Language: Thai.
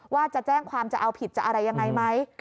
ว่าจะแจ้งความจะเอาผิดจะอะไรยังไงไหม